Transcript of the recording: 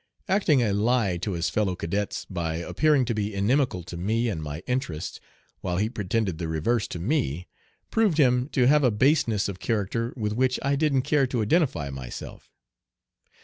Acting a lie to his fellow cadets by appearing to be inimical to me and my interests, while he pretended the reverse to me, proved him to have a baseness of character with which I didn't care to identify myself.